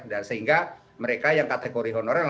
dan sehingga mereka yang kategori honorer gitu